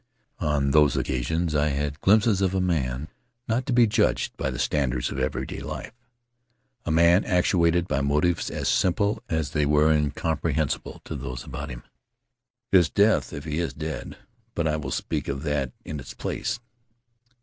On those occasions I had glimpses of a man not to be judged by the standards of everyday life — a man actuated by motives as simple as they were incomprehensible to those about him. His death, if he is dead — But I will speak of that in its place.